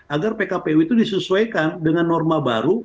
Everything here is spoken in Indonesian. agar pkpu itu disesuaikan dengan norma baru